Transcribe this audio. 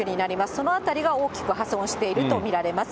そのあたりが大きく破損していると見られます。